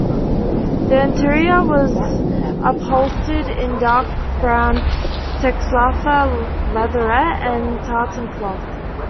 The interior was upholstered in dark brown Texalfa leatherette and tartan cloth.